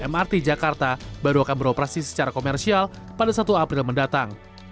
mrt jakarta baru akan beroperasi secara komersial pada satu april mendatang